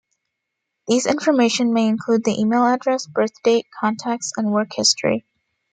These information may include the email address, birth date, contacts, and work history.